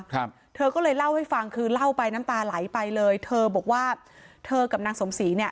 ครับเธอก็เลยเล่าให้ฟังคือเล่าไปน้ำตาไหลไปเลยเธอบอกว่าเธอกับนางสมศรีเนี่ย